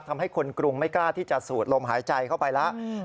ทำให้คนกรุงไม่กล้าที่จะสูดลมหายใจเข้าไปแล้ว